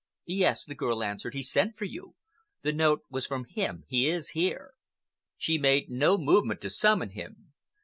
"Yes," the girl answered, "he sent for you. The note was from him. He is here." She made no movement to summon him.